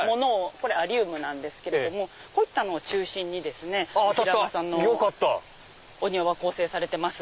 これアリウムなんですけどこういったのを中心に平間さんのお庭は構成されてます。